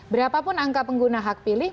berapapun angka pengguna hak pilih